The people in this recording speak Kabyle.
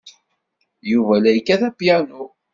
Yuba la yekkat apyanu.